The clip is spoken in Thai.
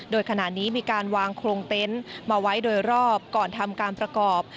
โดยขณะนี้มีการวางโครงเต็นต์มาไว้โดยรอบก่อนทำการประกอบ